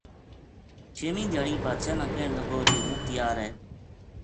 چھیمی دھیاڑی بادشاہ نا کہن لگو جی ہوں تیار ہے